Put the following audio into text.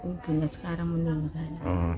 ibunya sekarang meninggal